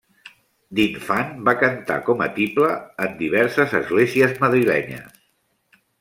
D'infant va cantar com a tiple en diverses esglésies madrilenyes.